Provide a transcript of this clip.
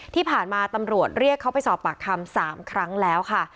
ที่ผ่านมาตำรวจเรียกเขาไปสอบปากคำ๓ครั้งแล้วค่ะ